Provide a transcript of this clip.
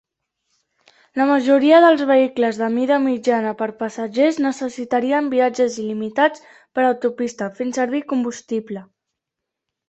La majoria dels vehicles de mida mitjana per passatgers necessitarien viatges il·limitats per autopista fent servir combustible.